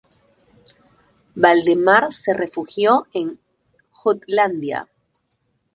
Valdemar se refugió en Jutlandia.